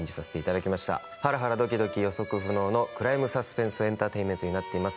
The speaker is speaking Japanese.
ハラハラドキドキ予測不能のクライムサスペンスエンタテインメントになっています。